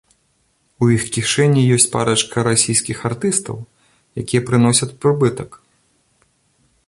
У іх кішэні ёсць парачка расійскіх артыстаў, якія прыносяць прыбытак.